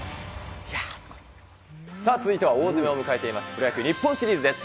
いやー、すごい。続いては大詰めを迎えています、プロ野球日本シリーズです。